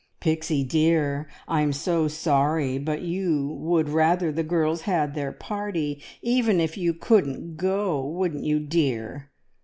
"Pixie dear, I'm so sorry, but you would rather the girls had their party even if you couldn't go, wouldn't you, dear?"